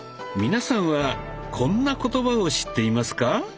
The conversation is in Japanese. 皆さんはこんな言葉を知っていますか？